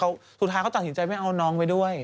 สุดท้ายเขาตัดสินใจไม่เอาน้องไปด้วย